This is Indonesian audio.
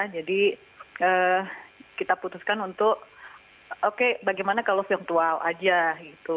jadi kita putuskan untuk oke bagaimana kalau virtual aja gitu